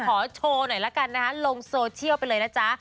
ขอโชว์หน่อยละกันนะคะลงโซเชียลไปเลยนะจ๊ะ